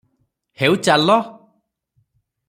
"ହେଉ ଚାଲ-"